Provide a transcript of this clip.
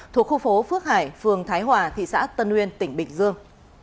thuộc khu phố phước hải phường thái hòa thị xã tân nguyên tỉnh bình dương